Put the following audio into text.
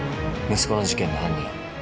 息子の事件の犯人